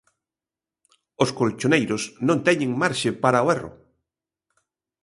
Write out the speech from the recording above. Os colchoneiros non teñen marxe para o erro.